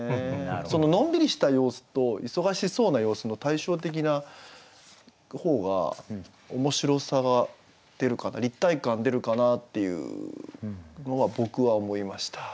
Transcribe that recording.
のんびりした様子と忙しそうな様子の対照的な方が面白さが出るかな立体感出るかなっていうのは僕は思いました。